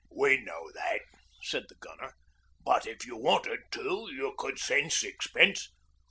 'We know that,' said the Gunner; 'but if you wanted to you could send sixpence.